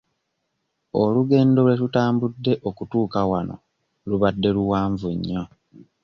Olugendo lwe tutambudde okutuuka wano lubadde luwanvu nnyo.